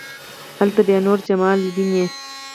هلته بیا نور جمال ويني.